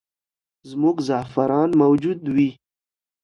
زموږ زعفران موجود وي.